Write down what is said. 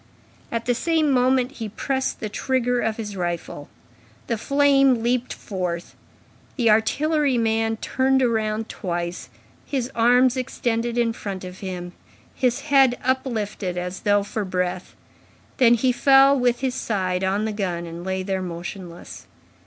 At the same moment, he pressed the trigger of his rifle. The flame leaped forth. The artillery man turned round twice, his arms extended in front of him, his head uplifted, as though for breath, then he fell with his side on the gun, and lay there motionless.